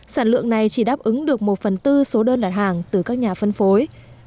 sản lượng này chỉ đáp ứng được một phần tư số đơn đặt hàng từ các nhà phân phối